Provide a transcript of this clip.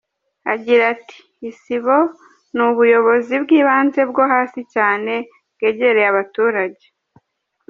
Agira ati “Isibo ni ubuyobozi bw’ibanze bwo hasi cyane bwegereye abaturage.